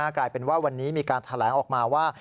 กลายเป็นว่าวันนี้มีการแถลงออกมาว่า